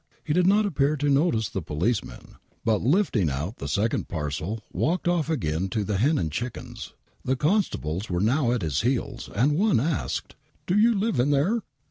He did not appeiir to notice the policeman, but, lifting out the second parcel walked off again to the Hen and Chickens. The constables were now at his heels, and one asked : "Do you live in there